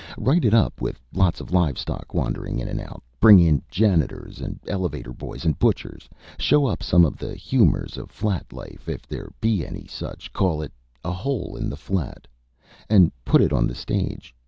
Write it up with lots of live stock wandering in and out, bring in janitors and elevator boys and butchers, show up some of the humors of flat life, if there be any such, call it A Hole in the Flat, and put it on the stage.